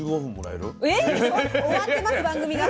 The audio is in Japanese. えっ⁉終わってます番組が。